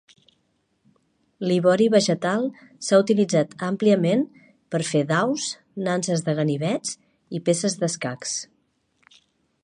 L'ivori vegetal s'ha utilitzat àmpliament per fer daus, nanses de ganivets i peces d'escacs.